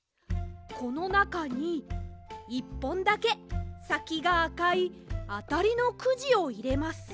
このなかに１ぽんだけさきがあかいあたりのくじをいれます。